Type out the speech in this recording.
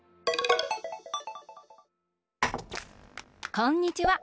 こんにちは。